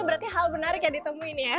berarti hal menarik yang ditemuin ya